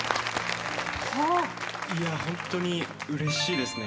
ホントにうれしいですね。